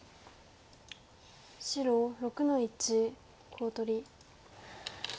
白６の一コウ取り。